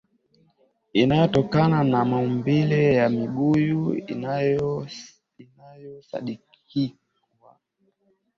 inayotokana na maumbile ya mibuyu inayosadikiwa